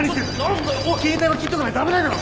携帯は切っとかないと危ないだろ！